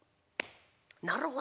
「なるほど！